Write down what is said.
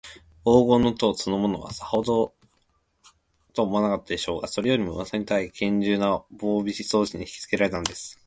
黄金の塔そのものは、さほどほしいとも思わなかったでしょうが、それよりも、うわさに高いげんじゅうな防備装置にひきつけられたのです。